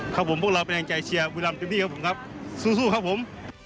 ครับผมพวกเราเป็นแรงใจเชียร์บุรีรำเต็มพี่ครับผมครับสู้ครับผม